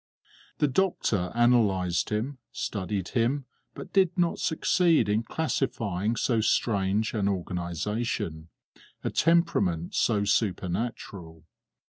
The doctor analysed him, studied him, but did not succeed in classifying so strange an organisation, a temperament so supernatural.